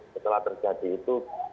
setelah terjadi itu